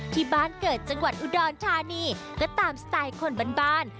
ที่บ้านเกิดจังหวัดอุดรธานีและตามสไตล์คนบ้าน